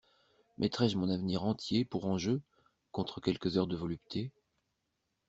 Mettrai-je mon avenir entier pour enjeu, contre quelques heures de volupté?